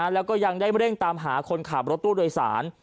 แล้วก็ยังได้เร่งตามหาคนขับรถตู้โดยสาร